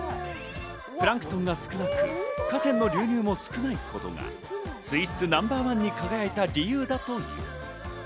プランクトンが少なく、河川の流入も少ないことが水質ナンバーワンに輝いた理由だという。